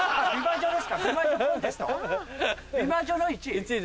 美魔女の１位？